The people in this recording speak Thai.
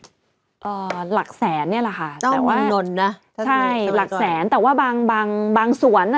อ่าหลักแสนเนี้ยแหละค่ะต้องมีนนนะใช่หลักแสนแต่ว่าบางบางบางสวนอ่ะ